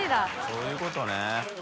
そういうことね。